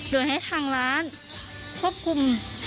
โดยให้ทางร้านควบคุม